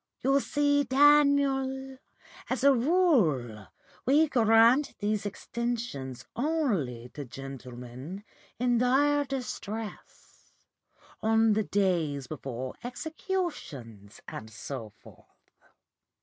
You see, Daniel, as a rule we grant these extensions only to gentlemen in dire distress on the days before executions and so forth.